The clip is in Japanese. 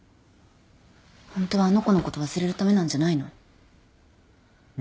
ホントはあの子のこと忘れるためなんじゃないの？